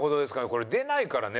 これ出ないからね